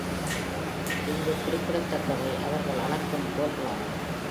இங்குக் குறிப்பிடத்தக்கவை அவர்கள் அளக்கும் கோல்களாகும்.